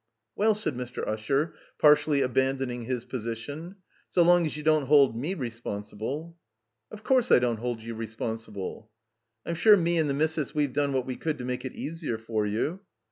"Well," said Mr. Usher, partially abandoning his position, "so long as you don't hold me responsible —" "Of course, I don't hold you responsible." "I'm sure me and the Missis we've done what we could to make it easier for you."